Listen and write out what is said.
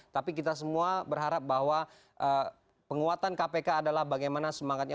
tapi kita semua berharap bahwa penguatan kpk adalah bagaimana semangatnya